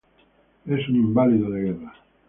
Es un inválido de guerra.